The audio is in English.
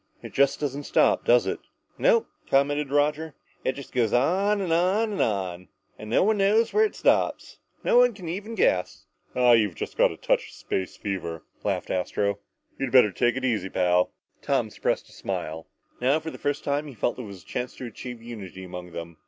It just doesn't stop, does it?" "Nope," commented Roger, "it just goes on and on and on. And no one knows where it stops. And no one can even guess." "Ah you've got a touch of space fever," laughed Astro. "You'd better take it easy, pal." Tom suppressed a smile. Now, for the first time, he felt that there was a chance to achieve unity among them.